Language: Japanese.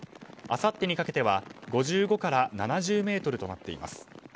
あさってにかけては５５から７０メートルとなっています。